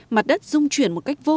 mặt đất dung chuyển một cách vô cùng